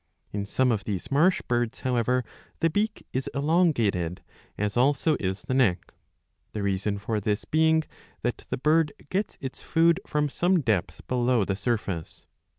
In some of these marsh birds, however, the beak is elongated, as also is the neck, the reason for this being that the bird gets its food from some depth below the surface.